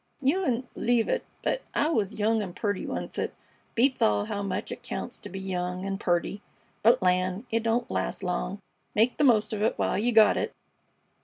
"You wouldn't b'lieve it, but I was young an' purty oncet. Beats all how much it counts to be young an' purty! But land! It don't last long. Make the most of it while you got it."